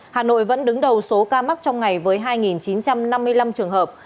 hà nội vẫn đứng đầu số ca mắc trong ngày với hai chín trăm năm mươi năm trường hợp